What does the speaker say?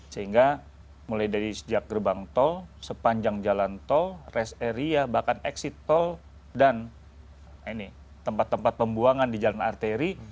sehingga mulai dari sejak gerbang tol sepanjang jalan tol rest area bahkan exit tol dan tempat tempat pembuangan di jalan arteri